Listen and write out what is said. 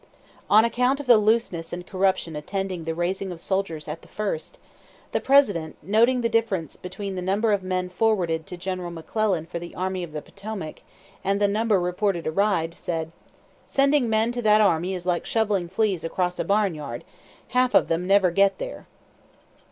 On account of the looseness and corruption attending the raising of soldiers at the first, the President, noting the difference between the number of men forwarded to General McClellan for the Army of the Potomac, and the number reported arrived, said: "Sending men to that army is like shoveling fleas across a barn yard half of them never get there."